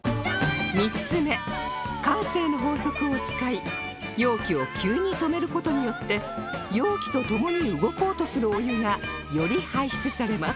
３つ目慣性の法則を使い容器を急に止める事によって容器と共に動こうとするお湯がより排出されます